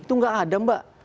itu enggak ada mbak